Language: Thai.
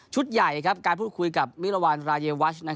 ใหญ่การพูดคุยกับมิรวรรณรายวัช